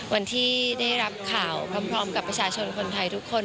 วันที่ได้รับข่าวพร้อมกับประชาชนคนไทยทุกคน